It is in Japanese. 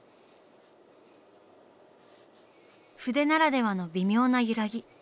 筆ならではの微妙な揺らぎ。